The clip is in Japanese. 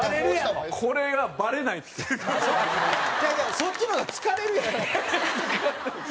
そっちの方が疲れるやろ。